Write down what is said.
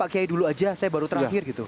pak kiai dulu aja saya baru terakhir gitu